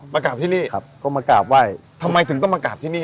กราบที่นี่ครับก็มากราบไหว้ทำไมถึงต้องมากราบที่นี่